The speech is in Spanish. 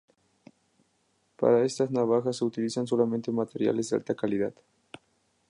Para estas navajas se utilizan solamente materiales de alta calidad.